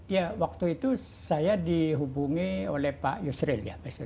ya waktu itu saya dihubungi oleh pak yusril ya